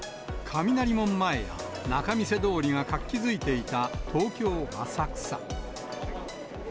雷門前や仲見世通りが活気づいていた東京・浅草。